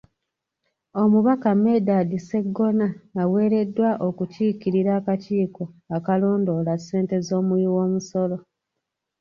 Omubaka Medard Sseggona aweereddwa okukulira akakiiko akalondoola ssente z’omuwi w’omusolo.